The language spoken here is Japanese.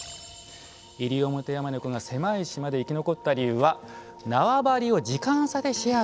イリオモテヤマネコが狭い島で生き残った理由は縄張りを時間差でシェアしたから。